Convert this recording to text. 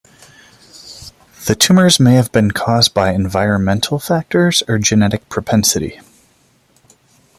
The tumors may have been caused by environmental factors or genetic propensity.